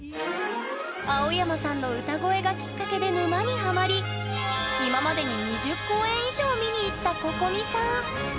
青山さんの歌声がきっかけで沼にハマり今までに２０公演以上見に行ったここみさん。